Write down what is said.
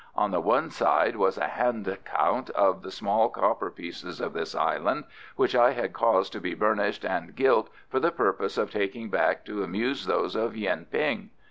"On the one side was a handcount of the small copper pieces of this Island, which I had caused to be burnished and gilt for the purpose of taking back to amuse those of Yuen ping.